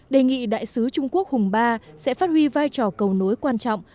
đề nghị đại sứ trung quốc hùng ba sẽ phát huy vai trò cầu nối quan trọng